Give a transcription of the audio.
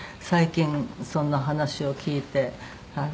最近そんな話を聞いて。